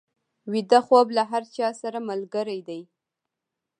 ویده خوب له هر چا سره ملګری دی